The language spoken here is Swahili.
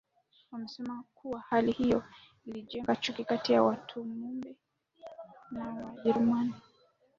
Anasema kuwa hali hiyo ilijenga chuki kati ya Wamatumbi na Wajerumani